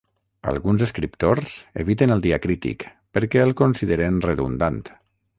Alguns escriptors eviten el diacrític, perquè el consideren redundant.